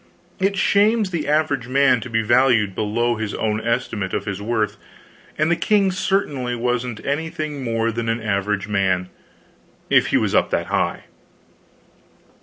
It shames the average man to be valued below his own estimate of his worth, and the king certainly wasn't anything more than an average man, if he was up that high.